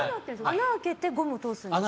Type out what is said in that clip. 穴開けてゴム通すんですか？